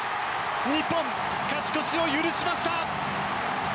日本、勝ち越しを許しました。